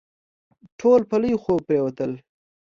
ټول په لوی خوب پرېوتل.